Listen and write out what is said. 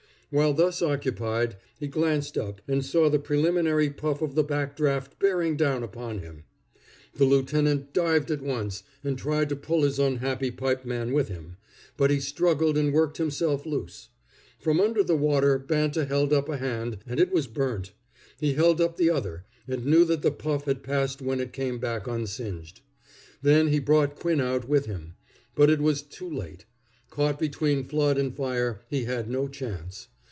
While thus occupied, he glanced up, and saw the preliminary puff of the back draft bearing down upon him. The lieutenant dived at once, and tried to pull his unhappy pipe man with him; but he struggled and worked himself loose. From under the water Banta held up a hand, and it was burnt. He held up the other, and knew that the puff had passed when it came back unsinged. Then he brought Quinn out with him; but it was too late. Caught between flood and fire, he had no chance.